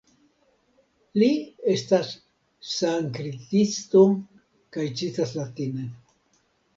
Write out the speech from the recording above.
Li estas sanskritisto kaj citas latine.